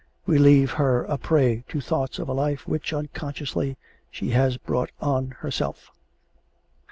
We leave her a prey to thoughts of a life which, unconsciously, she has brought on herself.